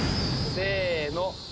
せの。